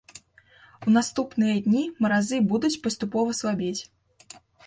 У наступныя дні маразы будуць паступова слабець.